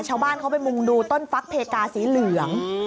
ชาวบ้านเขาไปมุงดูต้นฟักเพกาสีเหลือง